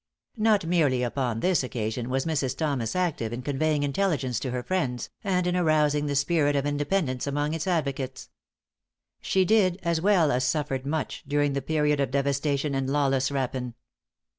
Not merely upon this occasion was Mrs. Thomas active in conveying intelligence to her friends, and in arousing the spirit of Independence among its advocates. She did, as well as suffered much, during the period of devastation and lawless rapine.